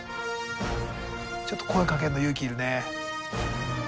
ちょっと声かけるの勇気いるね。